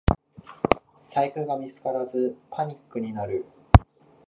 財布が見つからずパニックになる